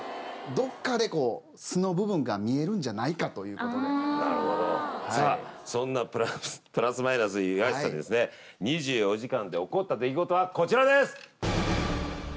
どこかで素の部分が見えるんじゃないかということでなるほどそんなプラス・マイナスの岩橋さんにですね２４時間で起こった出来事はこちらです